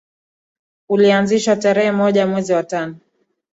ulianzishwa tarerhe moja mwezi wa tano